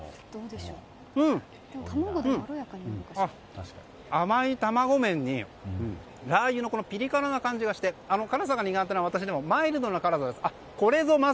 うん、甘いたまご麺にラー油のピリ辛な感じがして辛さが苦手な私でもマイルドな辛さです。